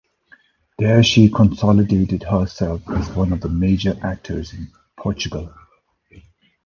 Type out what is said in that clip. There she consolidated herself as one of the major actors in Portugal.